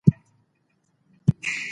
باسواده ښځه د کور ښه انتظام کولای سي